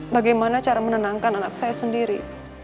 bagaimana cara menenangkan anak saya sendiri